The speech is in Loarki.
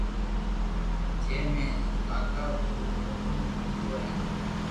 جي ۾ ھين ڪاڪا ڀيرو گونا ڀرتو ھين